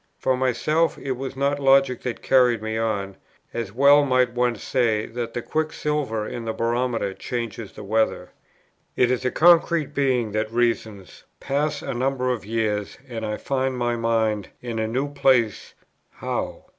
For myself, it was not logic that carried me on; as well might one say that the quicksilver in the barometer changes the weather. It is the concrete being that reasons; pass a number of years, and I find my mind in a new place; how?